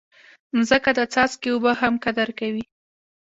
مځکه د څاڅکي اوبه هم قدر کوي.